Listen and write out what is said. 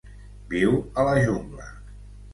Viu a la jungla.